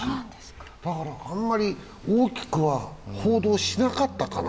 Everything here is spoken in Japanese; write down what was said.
だからあんまり大きくは報道しなかったかな